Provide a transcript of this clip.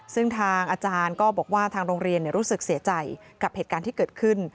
ซึ่งทางอาจารย์ก็บอกว่าทางโรงเรียนรู้สึกเสียใจกับเหตุการณ์ที่เกิดขึ้น